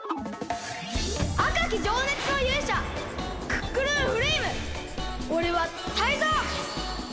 あかきじょうねつのゆうしゃクックルンフレイムおれはタイゾウ！